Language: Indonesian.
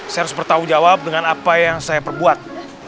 saya harus bertanggung jawab dengan apa yang saya perbuat